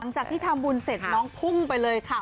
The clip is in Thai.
หลังจากที่ทำบุญเสร็จน้องพุ่งไปเลยค่ะ